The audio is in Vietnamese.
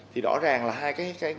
thì rõ ràng là hai cái